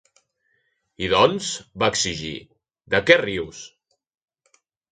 "I doncs" va exigir, "de què rius?"